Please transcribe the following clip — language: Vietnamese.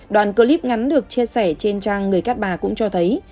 đoạn clip ngắn được chia sẻ trên trang người cát bà cũng cho thấy